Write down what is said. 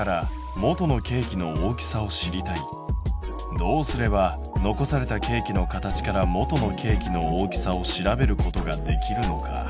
どうすれば残されたケーキの形から元のケーキの大きさを調べることができるのか？